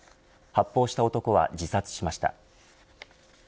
発砲した男は自殺しました。